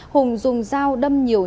hùng dùng dao đâm nhiều tiền